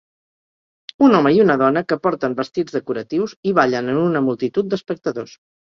Un home i una dona que porten vestits decoratius i ballen en una multitud d'espectadors.